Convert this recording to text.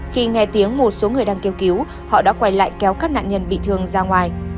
khi nghe tiếng một số người đang kêu cứu họ đã quay lại kéo các nạn nhân bị thương ra ngoài